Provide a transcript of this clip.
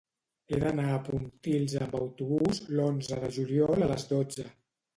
He d'anar a Pontils amb autobús l'onze de juliol a les dotze.